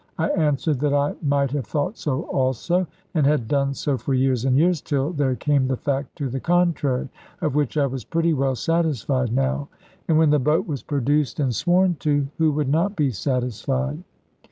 I answered that I might have thought so also, and had done so for years and years, till there came the fact to the contrary; of which I was pretty well satisfied now; and when the boat was produced and sworn to, who would not be satisfied?